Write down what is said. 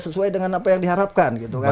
sesuai dengan apa yang diharapkan gitu kan